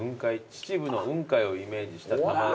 秩父の雲海をイメージした卵掛けご飯。